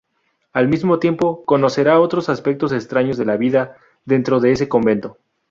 Al mismo tiempo, conocerá otros aspectos extraños de la vida dentro de ese convento.